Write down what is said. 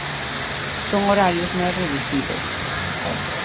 Son horarios máis reducidos.